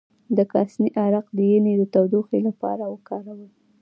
د کاسني عرق د ینې د تودوخې لپاره وکاروئ